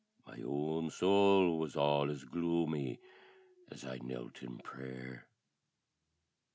My own soul was all as gloomy, As I knelt in prayer.